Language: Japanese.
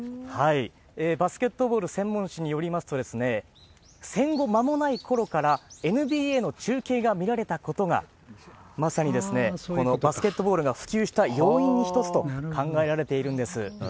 バスケットボール専門誌によりますと、戦後間もないころからＮＢＡの中継が見られたことが、まさにこのバスケットボールが普及した要因の一つと考えられていなるほど。